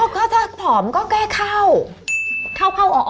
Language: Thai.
ก็ถ้าผอมก็แก้เข้า